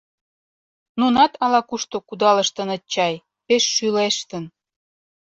Нунат ала-кушто кудалыштыныт чай — пеш шӱлештын.